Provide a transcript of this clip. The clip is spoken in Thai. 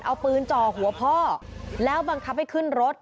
เอาปืนจ่อหัวพ่อแล้วบังคับให้ขึ้นรถ